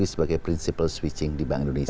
dikakui sebagai prinsipal switching di bank indonesia